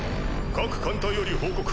各艦隊より報告。